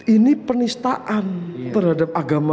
ini penistaan terhadap agama